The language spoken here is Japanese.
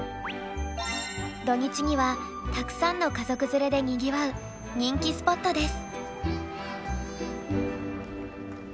土日にはたくさんの家族連れでにぎわう人気スポットです。